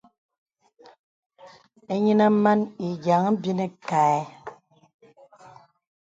Inyinə man ǐ yeaŋ ibini kaɛ.